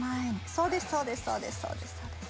そうですそうですそうですそうですそうです。